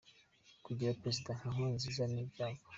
Kugira prezida nka Nkurunziza ni Ibyago.